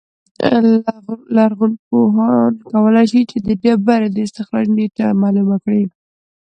لرغونپوهان کولای شي چې د ډبرې د استخراج نېټه معلومه کړي